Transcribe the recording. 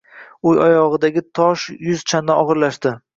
U oyog‘idagi tosh yuz chandon og‘irlashdi.